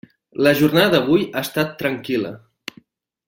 La jornada d'avui ha estat tranquil·la.